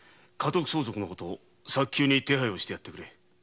家督相続のこと早急に手配してやってくれ。